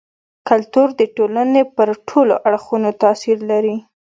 کلتور د ټولني پر ټولو اړخونو تاثير لري.